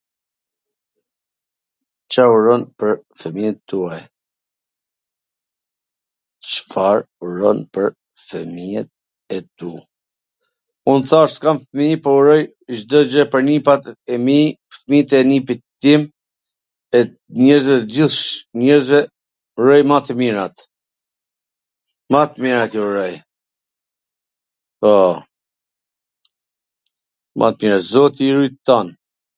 Ca uron pwr fwmijwt tuaj? Cfar uron pwr fwmijwt e tu? Un thash s kam fmij, por uroj Cdo gjw pwr nipat e mi, fmijt e nipit tim, e njerzve, gjith njerzve uroj ma t mirat, ma t mirat ju uroj... Po, ma t mirat... Zoti i rujt tan...